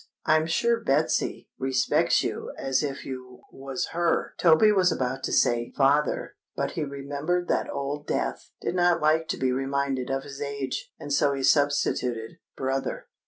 I'm sure Betsy respects you as if you was her——" Toby was about to say "father," but he remembered that Old Death did not like to be reminded of his age, and so he substituted "brother."